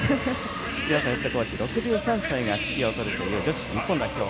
岩佐ヘッドコーチ６３歳が指揮を執るという女子日本代表。